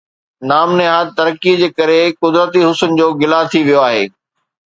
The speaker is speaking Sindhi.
نام نهاد ترقيءَ جي ڪري قدرتي حسن جو گلا ٿي ويو آهي